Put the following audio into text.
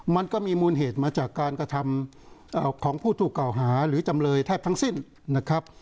มันก็มีมูลเหตุมาจากการกระทำของผู้ถูกเก่าหาหรือจำเลยแทบทั้งสิ้นนะครับ